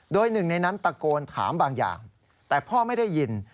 โดยหนึ่งในนั้นตะโกนถามบางอย่างแต่พ่อไม่ได้ยิน